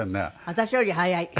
私より早い。